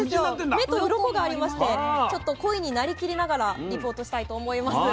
目とうろこがありましてちょっとコイに成りきりながらリポートしたいと思います。